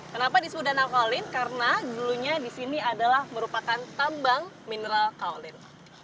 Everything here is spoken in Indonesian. kenapa disebut danau kaolin karena dulunya disini adalah merupakan tambang mineral kaolin